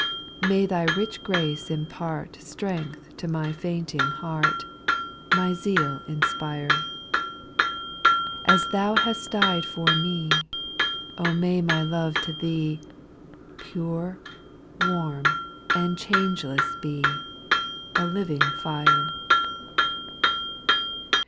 2. May Thy rich grace impart Strength to my fainting heart, My zeal inspire : As Thou hast died for me, Oh may my love to Thee, Pure, warm, and changeless be, A living fire.